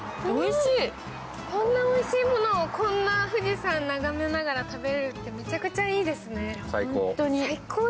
こんなおいしいものを、富士山眺めながら食べられるってめちゃめちゃいいですね。